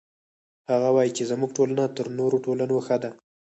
هغه وایي چې زموږ ټولنه تر نورو ټولنو ښه ده